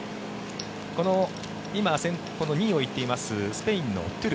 この今、２位を行っているスペインのトゥル。